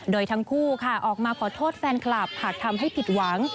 โดยทั้งคู่ค่ะออกมาขอโทษแฟนคลับหากทำให้ผิดหวัง